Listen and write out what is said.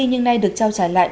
nhưng nay được trao trả lại